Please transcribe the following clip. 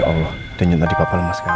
ya allah dia nyetak di papalmas sekarang